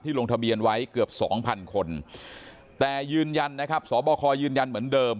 ลงทะเบียนไว้เกือบ๒๐๐คนแต่ยืนยันนะครับสบคยืนยันเหมือนเดิม